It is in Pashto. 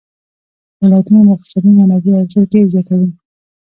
ولایتونه د اقتصادي منابعو ارزښت ډېر زیاتوي.